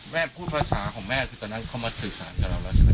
พูดภาษาของแม่คือตอนนั้นเขามาสื่อสารกับเราแล้วใช่ไหม